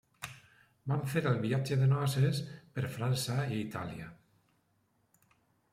Van fer el viatge de noces per França i Itàlia.